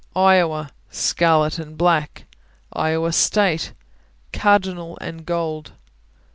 Iowa Scarlet and black. Iowa State Cardinal and gold.